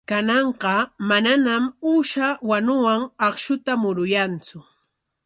Kananqa manañam uusha wanuwan akshuta muruyantsu.